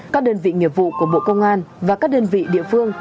các đơn vị nghiệp vụ của bộ công an và các đơn vị địa phương